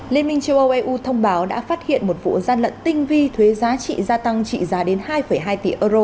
liên minh châu âu eu thông báo đã phát hiện một vụ gian lận tinh vi thuế giá trị gia tăng trị giá đến hai hai tỷ euro